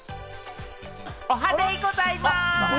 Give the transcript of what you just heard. おはデイございます！